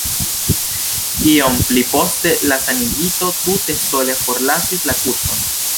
Iom pli poste la sanigito tute sole forlasis la kurson.